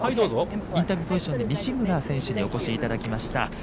◆インタビューポジションに西村選手にお越しいただきました。